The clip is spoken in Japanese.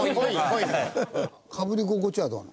かぶり心地はどうなの？